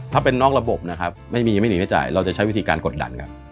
ถ้าเป็นนอกระบบนะครับไม่มียังไม่หนีไม่จ่ายเราจะใช้วิธีการกดดันครับ